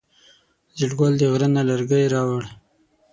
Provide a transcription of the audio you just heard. زیړ ګل د غره نه لرګی راوړی.